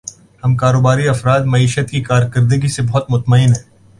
ہم کاروباری افراد معیشت کی کارکردگی سے بہت مطمئن ہیں